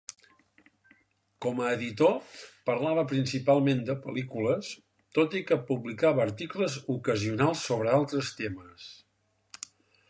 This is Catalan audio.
Com a editor, parlava principalment de pel·lícules, tot i que publicava articles ocasionals sobre altres temes.